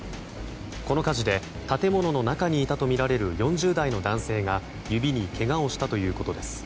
この火事で建物の中にいたとみられる４０代の男性が指にけがをしたということです。